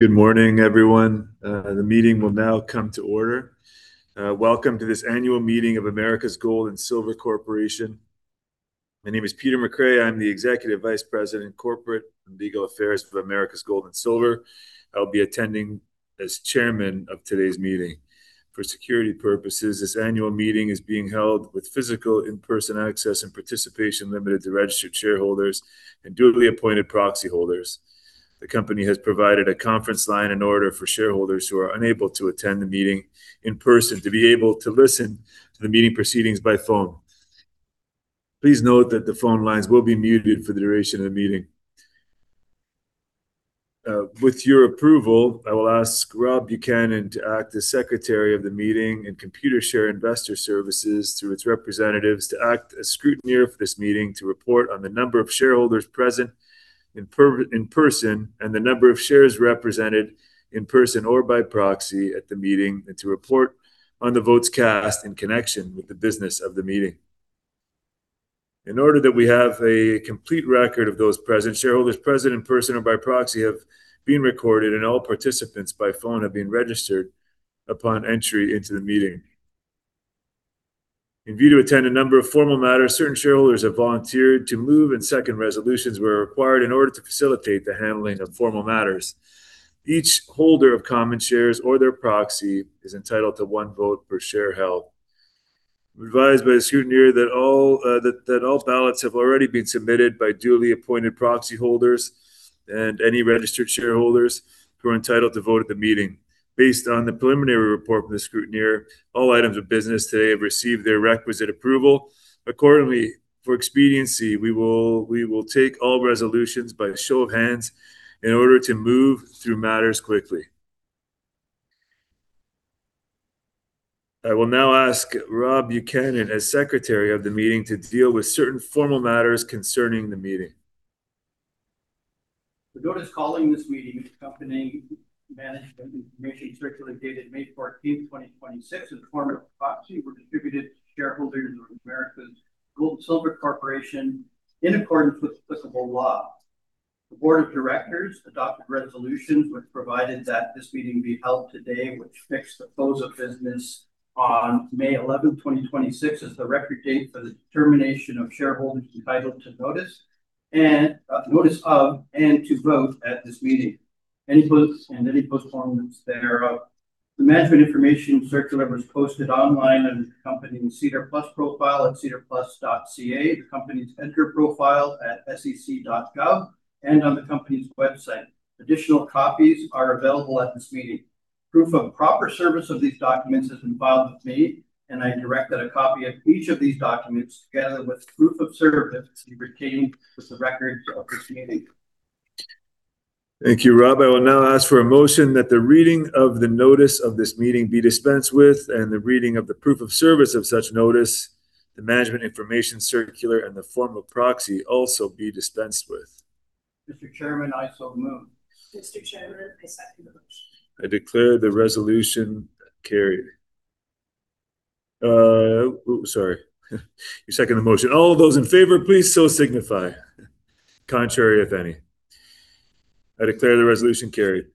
Good morning, everyone. The meeting will now come to order. Welcome to this annual meeting of Americas Gold and Silver Corporation. My name is Peter McRae. I'm the Executive Vice President, Corporate and Legal Affairs for Americas Gold and Silver. I'll be attending as chairman of today's meeting. For security purposes, this annual meeting is being held with physical in-person access and participation limited to registered shareholders and duly appointed proxy holders. The company has provided a conference line in order for shareholders who are unable to attend the meeting in person to be able to listen to the meeting proceedings by phone. Please note that the phone lines will be muted for the duration of the meeting. With your approval, I will ask Rob Buchanan to act as Secretary of the meeting and Computershare Investor Services, through its representatives, to act as scrutineer for this meeting to report on the number of shareholders present in person, and the number of shares represented in person or by proxy at the meeting, and to report on the votes cast in connection with the business of the meeting. In order that we have a complete record of those present, shareholders present in person or by proxy have been recorded and all participants by phone have been registered upon entry into the meeting. In view to attend a number of formal matters, certain shareholders have volunteered to move and second resolutions where required in order to facilitate the handling of formal matters. Each holder of common shares or their proxy is entitled to one vote per share held. I'm advised by the scrutineer that all ballots have already been submitted by duly appointed proxy holders and any registered shareholders who are entitled to vote at the meeting. Based on the preliminary report from the scrutineer, all items of business today have received their requisite approval. Accordingly, for expediency, we will take all resolutions by a show of hands in order to move through matters quickly. I will now ask Rob Buchanan, as Secretary of the meeting, to deal with certain formal matters concerning the meeting. The notice calling this meeting of the company, Management Information Circular dated May 14th, 2026 in the form of proxy, were distributed to shareholders of Americas Gold and Silver Corporation in accordance with applicable law. The board of directors adopted resolutions which provided that this meeting be held today, which fixed the close of business on May 11th, 2026 as the record date for the determination of shareholders entitled to notice of and to vote at this meeting and any postponements thereof. The Management Information Circular was posted online on the company's SEDAR+ profile at sedarplus.ca, the company's EDGAR profile at sec.gov, and on the company's website. Additional copies are available at this meeting. Proof of proper service of these documents has been filed with me. I directed a copy of each of these documents, together with proof of service be retained with the records of this meeting. Thank you, Rob. I will now ask for a motion that the reading of the notice of this meeting be dispensed with, and the reading of the proof of service of such notice, the Management Information Circular, and the form of proxy also be dispensed with. Mr. Chairman, I so move. Mr. Chairman, I second the motion. I declare the resolution carried. Oh, sorry. You second the motion. All those in favor, please so signify. Contrary, if any. I declare the resolution carried.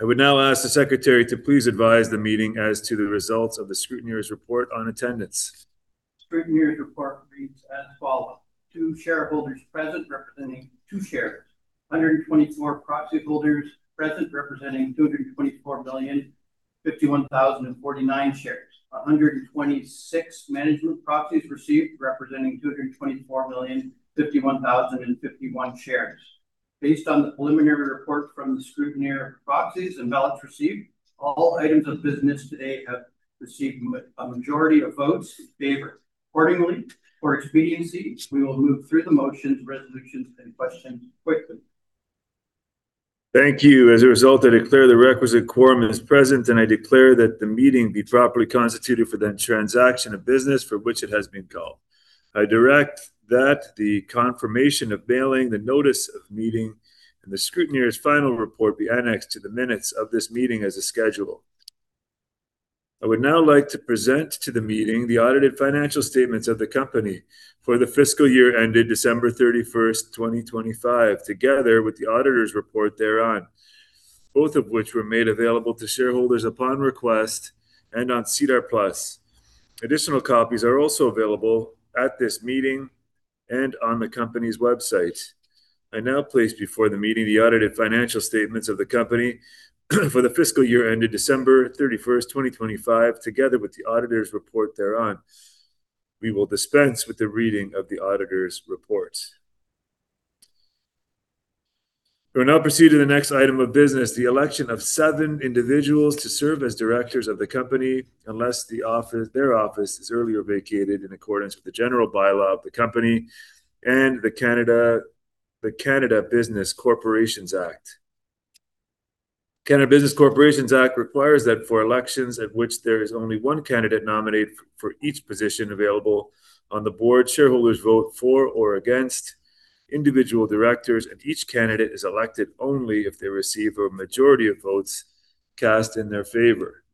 I would now ask the secretary to please advise the meeting as to the results of the scrutineer's report on attendance. The scrutineer's report reads as follows: two shareholders present representing two shares. 124 proxy holders present representing 224,051,049 shares. 126 management proxies received representing 224,051,051 shares. Based on the preliminary report from the scrutineer of proxies and ballots received, all items of business today have received a majority of votes in favor. Accordingly, for expediency, we will move through the motions, resolutions, and questions quickly. Thank you. As a result, I declare the requisite quorum is present, and I declare that the meeting be properly constituted for the transaction of business for which it has been called. I direct that the confirmation of mailing the notice of meeting and the scrutineer's final report be annexed to the minutes of this meeting as a schedule. I would now like to present to the meeting the audited financial statements of the company for the fiscal year ended December 31st, 2025, together with the auditor's report thereon. Both of which were made available to shareholders upon request and on SEDAR+. Additional copies are also available at this meeting and on the company's website. I now place before the meeting the audited financial statements of the company for the fiscal year ended December 31st, 2025, together with the auditor's report thereon. We will dispense with the reading of the auditor's report. We will now proceed to the next item of business, the election of seven individuals to serve as directors of the company, unless their office is earlier vacated in accordance with the general bylaw of the company and the Canada Business Corporations Act. Canada Business Corporations Act requires that for elections at which there is only one candidate nominated for each position available on the board, shareholders vote for or against individual directors, and each candidate is elected only if they receive a majority of votes cast in their favor.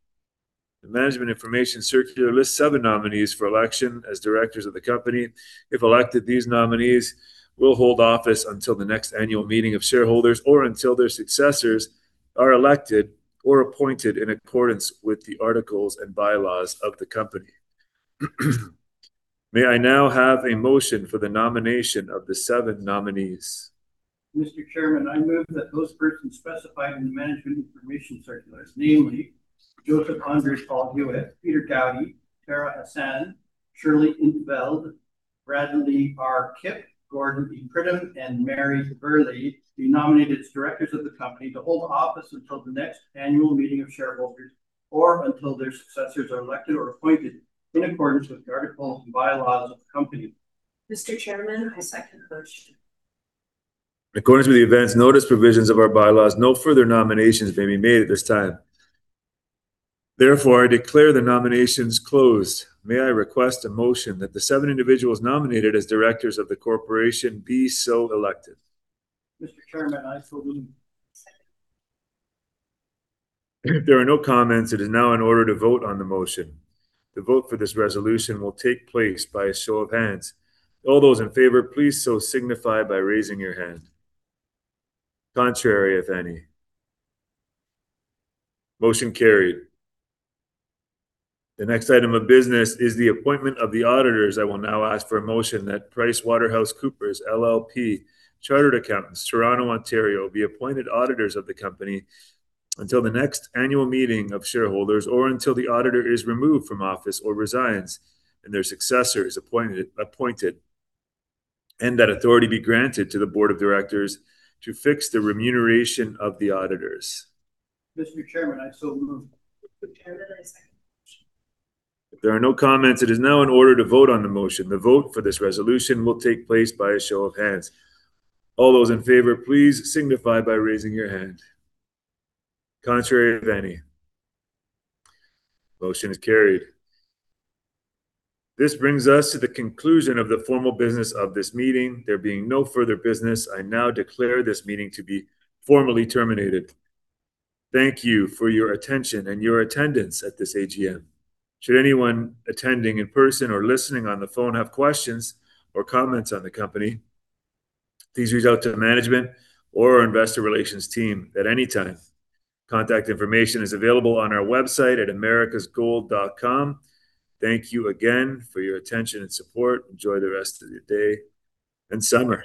The management information circular lists seven nominees for election as directors of the company. If elected, these nominees will hold office until the next annual meeting of shareholders or until their successors are elected or appointed in accordance with the articles and bylaws of the company. May I now have a motion for the nomination of the seven nominees? Mr. Chairman, I move that those persons specified in the management information circulars, namely Joseph Andre Paul Huet, Peter Goudie, Tara Hassan, Shirley In't Veld, Bradley R. Kipp, Gordon E. Pridham, and Meri Verli, be nominated as directors of the company to hold office until the next annual meeting of shareholders or until their successors are elected or appointed in accordance with the articles and bylaws of the company. = Mr. Chairman, I second the motion. In accordance with the advance notice provisions of our bylaws, no further nominations may be made at this time. Therefore, I declare the nominations closed. May I request a motion that the seven individuals nominated as directors of the corporation be so elected? Mr. Chairman, I so move. Second. If there are no comments, it is now in order to vote on the motion. The vote for this resolution will take place by a show of hands. All those in favor, please so signify by raising your hand. Contrary, if any. Motion carried. The next item of business is the appointment of the auditors. I will now ask for a motion that PricewaterhouseCoopers LLP, Chartered Accountants, Toronto, Ontario, be appointed auditors of the company until the next annual meeting of shareholders or until the auditor is removed from office or resigns and their successor is appointed. That authority be granted to the board of directors to fix the remuneration of the auditors. Mr. Chairman, I so move. Mr. Chairman, I second the motion. If there are no comments, it is now in order to vote on the motion. The vote for this resolution will take place by a show of hands. All those in favor, please signify by raising your hand. Contrary, if any. Motion is carried. This brings us to the conclusion of the formal business of this meeting. There being no further business, I now declare this meeting to be formally terminated. Thank you for your attention and your attendance at this AGM. Should anyone attending in person or listening on the phone have questions or comments on the company, please reach out to management or our investor relations team at any time. Contact information is available on our website at americas-gold.com. Thank you again for your attention and support. Enjoy the rest of your day and summer